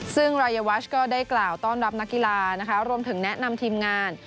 ซึ่งรายวัชก็ได้กล่าวต้อนรับนักกีฬานะคะรวมถึงแนะนำทีมงาน